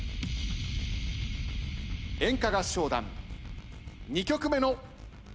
演歌合唱団２曲目の得点は。